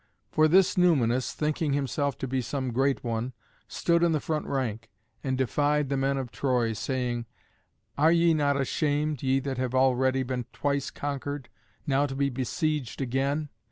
For this Numanus, thinking himself to be some great one, stood in the front rank, and defied the men of Troy, saying, "Are ye not ashamed, ye that have already been twice conquered, now to be besieged again?